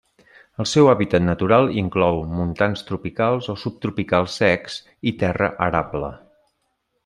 El seu hàbitat natural inclou montans tropicals o subtropicals secs i terra arable.